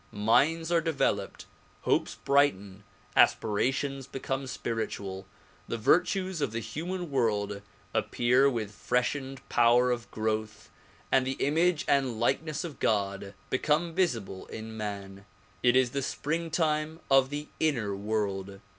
Minds are developed, hopes brighten, aspirations become spiritual, the virtues of the human world appear with freshened power of growth and the image and likeness of God become visible in man. It is the springtime of the inner world.